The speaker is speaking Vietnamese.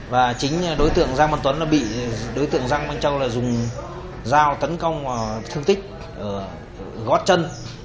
và chính đối tượng giang văn tuấn bị đối tượng giang văn châu là dùng dao tấn công và thương tích gót chân